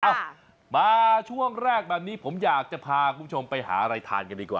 เอ้ามาช่วงแรกแบบนี้ผมอยากจะพาคุณผู้ชมไปหาอะไรทานกันดีกว่า